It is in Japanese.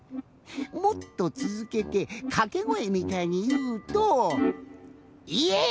もっとつづけてかけごえみたいにいうと。